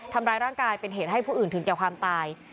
ทำร้ายร่างกายเป็นเหตุให้ผู้อื่นถึงแก่ความตาย